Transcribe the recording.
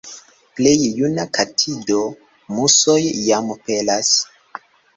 Plej juna katido musojn jam pelas.